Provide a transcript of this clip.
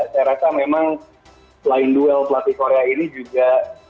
saya rasa memang selain duel pelatih korea ini juga